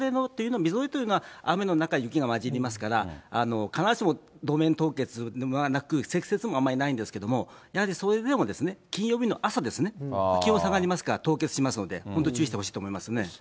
みぞれというのは雨の中に雪がまじりますから、必ずしも路面凍結ではなく、積雪もあまりないんですけれども、やはり、そういうのも金曜日の朝ですね、気温下がりますから凍結しますので、本当注意してほしいと思いますね。